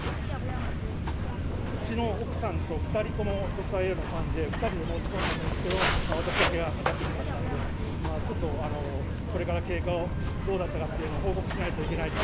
うちの奥さんと２人ともドクターイエローのファンで、２人で申し込んだんですけど、私だけが当たってしまったんで、ちょっとこれから経過をどうだったかっていうのを報告しないといけないと。